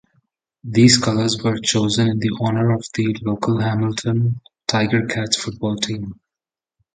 These colours were chosen in honour of the local Hamilton Tiger-Cats football team.